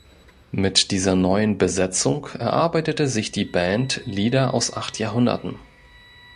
Mit dieser neuen Besetzung erarbeitete sich die Band Lieder aus acht Jahrhunderten.